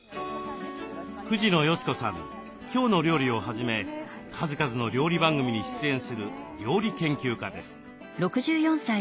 「きょうの料理」をはじめ数々の料理番組に出演する料理研究家です。